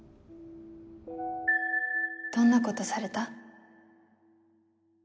どんなことされた？